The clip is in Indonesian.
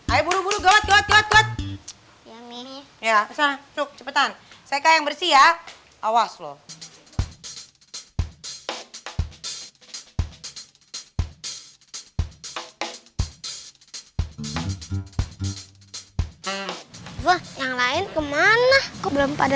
ayo buru buru gawat gawat